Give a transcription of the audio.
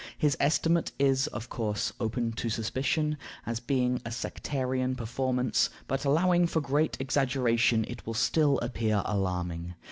His estimate is, of course, open to suspicion, as being a sectarian performance; but, allowing for great exaggeration, it will still appear alarming.